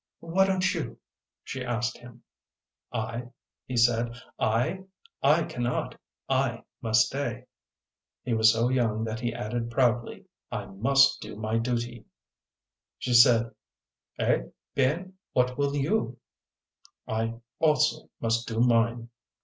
Why don't yout" she asked him. It" he said. I! I cannot I must stay." He was so young that he added proudly, ''I must do my duty/' She said, ''Eht B'en, what will youf I also must do mine."